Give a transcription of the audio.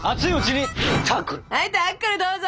はいタックルどうぞ！